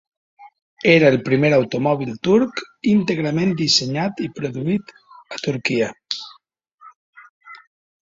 Era el primer automòbil turc íntegrament dissenyat i produït a Turquia.